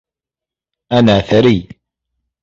أنا ثري.